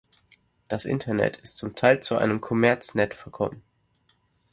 Das Internet ist zum Teil zu einem Kommerznet verkommen.